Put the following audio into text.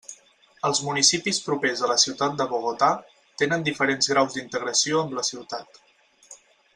Els municipis propers a la ciutat de Bogotà tenen diferents graus d'integració amb la ciutat.